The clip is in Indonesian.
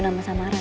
nama itu apa